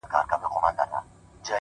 ستا وه ديدن ته هواداره يمه،